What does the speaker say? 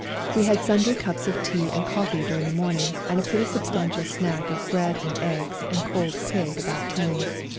We had sundry cups of tea and coffee during the morning and a pretty substantial snack of bread and eggs and cold pig about ten.